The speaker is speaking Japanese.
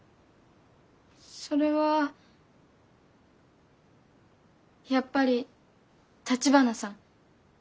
それはやっぱり橘さん。